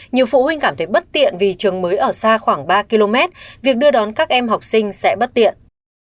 nhiều phụ huynh cảm thấy bất tiện vì trường mới ở xa khoảng ba km việc đưa đón các em học sinh sẽ bất tiện